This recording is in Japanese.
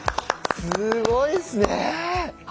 すごいですね！